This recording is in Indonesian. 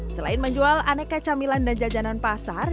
selain menjual aneka camilan dan jajanan pasar